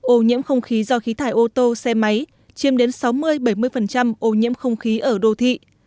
ô nhiễm không khí do khí thải ô tô xe máy chiêm đến sáu mươi bảy mươi ô nhiễm không khí ở đô thị